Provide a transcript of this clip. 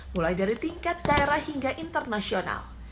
mulai dari tingkat daerah hingga internasional